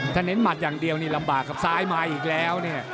ถ้าน้ำมุนอย่างเดียวรำบากกับซ้ายมาอีกแล้วเนี่ย